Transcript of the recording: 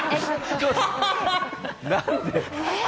何で？